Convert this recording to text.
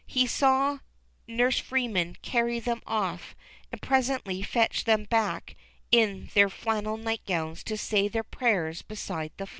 He saw Nurse Freeman carry them off, and presently fetch them back in their flan nel nightgowns to say their prayers beside the fire.